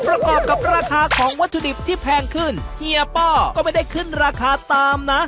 ประกอบกับราคาของวัตถุดิบที่แพงขึ้นเฮียป้อก็ไม่ได้ขึ้นราคาตามนะ